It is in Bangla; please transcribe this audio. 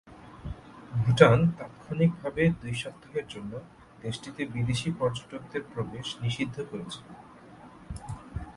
ভুটান তাৎক্ষণিকভাবে দুই সপ্তাহের জন্য দেশটিতে বিদেশী পর্যটকদের প্রবেশ নিষিদ্ধ করেছিল।